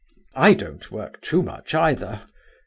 I don't work too much, either.